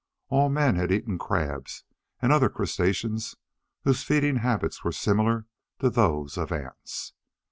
All men had eaten crabs and other crustaceans, whose feeding habits were similar to those of ants.